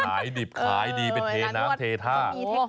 ขายดิบขายดีไปเทน้ำเทท่า